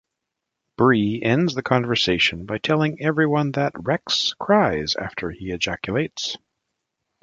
Bree ends the conversation by telling everyone that, "Rex cries after he ejaculates".